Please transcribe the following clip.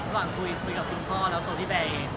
ตอนคุยกับคุณพ่อแล้วตัวที่แบร์เอก